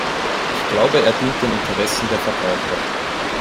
Ich glaube, er dient den Interessen der Verbraucher.